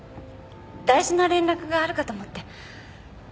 大事な連絡があるかと思って。